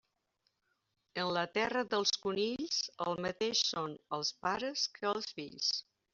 En la terra dels conills el mateix són els pares que els fills.